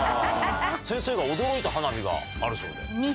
先生が驚いた花火があるそうで？